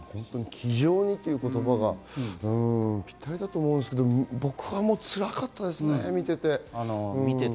気丈にという言葉がぴったりだと思うんですけれども僕は辛かったですね、見てて。